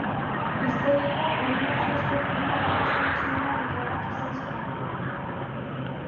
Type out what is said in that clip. Historiako animaziozko film arrakastatsuena bilakatu zen salmentetan.